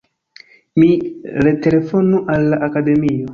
Mi retelefonu al la Akademio.